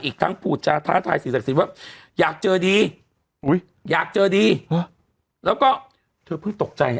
อีกครั้งพูดธรรมชาติธรรมจิสักษิวะเนี่ยอุ๊ยอยากเจอดีเด้ยแล้วก็เธอเพิ่งตกใจ